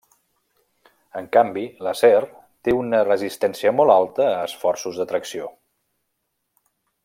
En canvi, l'acer té una resistència molt alta a esforços de tracció.